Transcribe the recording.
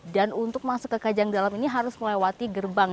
untuk masuk ke kajang dalam ini harus melewati gerbang